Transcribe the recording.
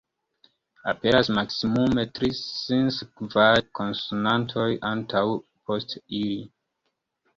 Aperas maksimume tri sinsekvaj konsonantoj antaŭ aŭ post ili.